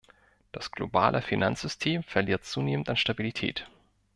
Das globale Finanzsystem verliert zunehmend an Stabilität.